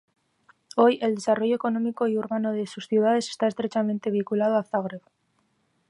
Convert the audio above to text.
Hoy, el desarrollo económico y urbano de sus ciudades está estrechamente vinculado a Zagreb.